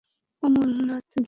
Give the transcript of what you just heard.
কমল নাথ জী?